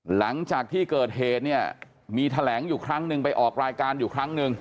หลังจากที่เกิดเหตุเนี่ยมีแถลงอยู่ครั้งหนึ่งไปออกรายการอยู่ครั้งหนึ่ง